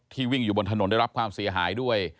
วิ่งอยู่บนถนนได้รับความเสียหายด้วย